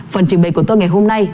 phần trình bày của tôi ngày hôm nay